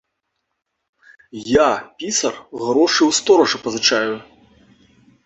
Я, пісар, грошы ў стоража пазычаю.